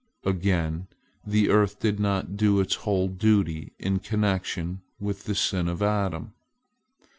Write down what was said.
Again, the earth did not do its whole duty in connection with the sin of Adam.